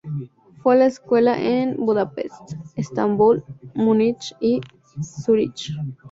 Fue a la escuela en Budapest, Estambul, Múnich, y Zúrich.